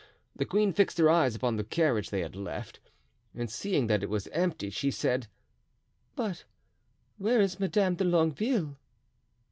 The queen fixed her eyes upon the carriage they had left, and seeing that it was empty, she said: "But where is Madame de Longueville?"